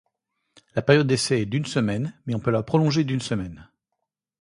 La période d'essai est d'une semaine mais on peut la prolonger d'une semaine.